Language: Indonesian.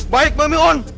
baik bang meun